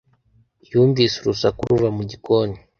Yumvise urusaku ruva mu gikoni